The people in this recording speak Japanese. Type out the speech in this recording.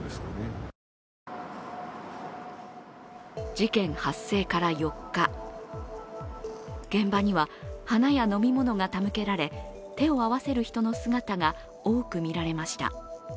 事件発生から４日、現場には花や飲み物が手向けられ手を合わせる人の姿が多く見られました。